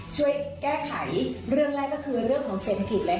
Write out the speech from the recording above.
ช่วยแก้ไขเรื่องแรกก็คือเรื่องของเศรษฐกิจ